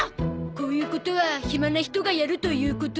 こういうことは暇な人がやるということで。